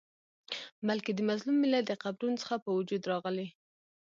بلکي د مظلوم ملت د قبرونو څخه په وجود راغلی